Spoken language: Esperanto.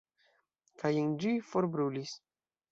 Kaj en ĝi forbrulis.